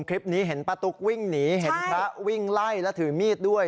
คลิปนี้เห็นป้าตุ๊กวิ่งหนีเห็นพระวิ่งไล่และถือมีดด้วย